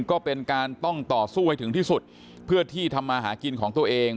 ก็เป็นการต้องต่อสู้ให้ถึงที่สุดเพื่อที่ทำมาหากินของตัวเอง